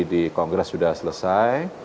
di kongres sudah selesai